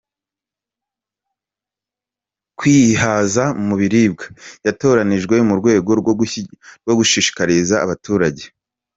kwihaza mu biribwa", yatoranijwe mu rwego rwo gushishikariza abaturage.